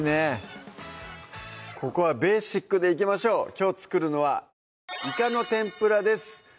ここはベーシックでいきましょうきょう作るのは「いかの天ぷら」です